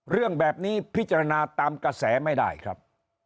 เรื่องแบบนี้พิจารณาตามกระแสไม่ได้ครับ